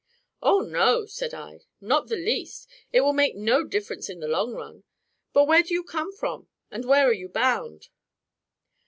"Oh, no," said I, "not the least; it will make no difference in the long run. But where do you come from, and where are you bound?"